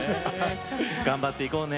頑張っていこうね。